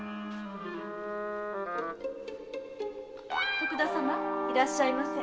徳田様いらっしゃいませ。